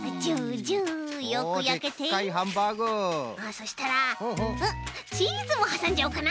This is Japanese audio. そしたらチーズもはさんじゃおうかな！